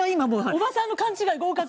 おばさんの勘違い合格！